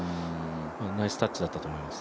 ナイスタッチだったと思います。